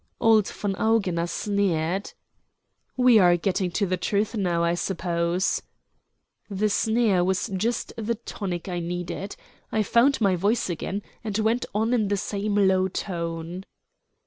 Old von Augener sneered. "We are getting to the truth now, I suppose." The sneer was just the tonic I needed. I found my voice again, and went on in the same low tone.